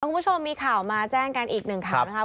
คุณผู้ชมมีข่าวมาแจ้งกันอีกหนึ่งข่าวนะครับ